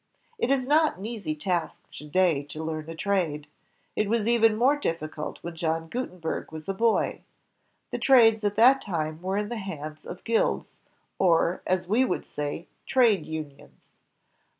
. It is not an easy task to day to learn a trade. It was even more difficult when John Gutenberg was a boy. The trades at that time were in the hands of guilds, or, as we would say, trade unions.